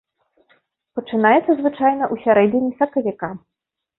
Пачынаецца звычайна ў сярэдзіне сакавіка.